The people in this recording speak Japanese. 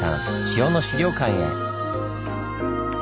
塩の資料館へ。